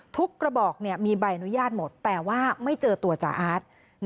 กระบอกมีใบอนุญาตหมดแต่ว่าไม่เจอตัวจ่าอาร์ต